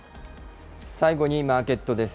最後にマーケットです。